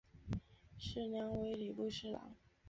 事梁为礼部侍郎。